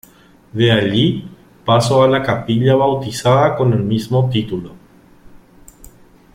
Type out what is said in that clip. De allí paso a la capilla bautizada con el mismo título.